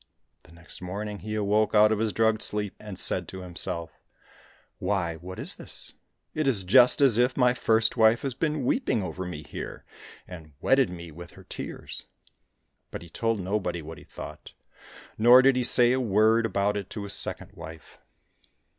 The next morning he awoke out of his drugged sleep, and said to himself, " Why, what is this ? It is just as if my first wife has been weeping over me here, and wetted me with her tears !" But he told nobody what he thought, nor did he say a word about it to his second wife.